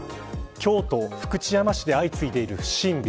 京都福知山市で相次いでいる不審火。